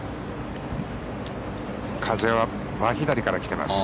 風は真左から来ています。